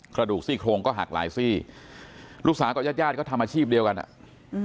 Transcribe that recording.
กระดูกซี่โครงก็หักหลายซี่ลูกสาวกับญาติญาติก็ทำอาชีพเดียวกันอ่ะอืม